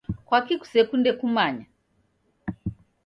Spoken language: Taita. Kwaki kusekunde kumanya?